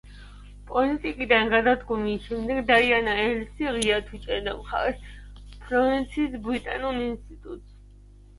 პოლიტიკიდან გადადგომეის შემდეგ დაიანა ეილსი ღიად უჭერდა მხარს ფლორენციის ბრიტანულ ინსტიტუტს.